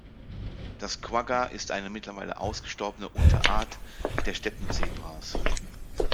Das Quagga ist eine mittlerweile ausgestorbene Unterart des Steppenzebras.